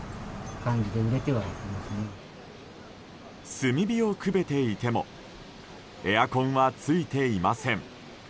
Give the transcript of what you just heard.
炭火をくべていてもエアコンはついていません。